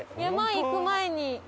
山行く前に。